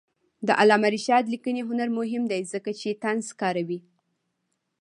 د علامه رشاد لیکنی هنر مهم دی ځکه چې طنز کاروي.